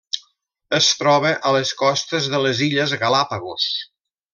Es troba a les costes de les Illes Galápagos.